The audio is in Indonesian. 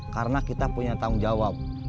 karena kita punya tanggung jawab